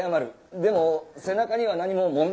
でも背中には何も問題ないようだが。